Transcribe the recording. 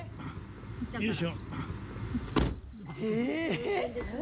よいしょ。